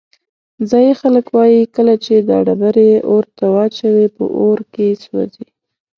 ځایی خلک وایي کله چې دا ډبرې اور ته واچوې په اور کې سوځي.